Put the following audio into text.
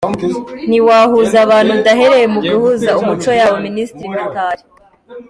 Ntiwahuza abantu udahereye mu guhuza umuco yabo–Minisitiri Mitari